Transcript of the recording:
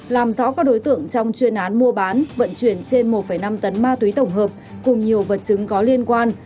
làm rõ các đối tượng trong chuyên án mua bán vận chuyển trên một năm tấn ma túy tổng hợp cùng nhiều vật chứng có liên quan